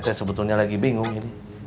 saya sebetulnya lagi bingung ini